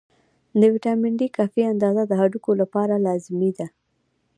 د ویټامین D کافي اندازه د هډوکو لپاره لازمي ده.